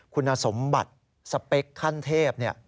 คุณสมบัติสเปคขั้นเทพ